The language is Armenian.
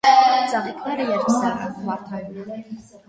Ծաղիկները երկսեռ են, վարդագոյն։